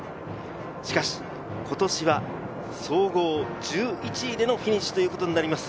しかし、今年は総合１１位でのフィニッシュとなります